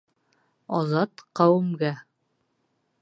Азат ҡәүемгә...